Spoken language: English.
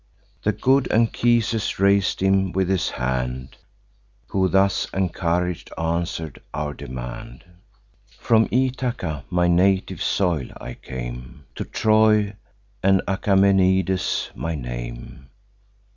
The good Anchises rais'd him with his hand; Who, thus encourag'd, answer'd our demand: 'From Ithaca, my native soil, I came To Troy; and Achaemenides my name.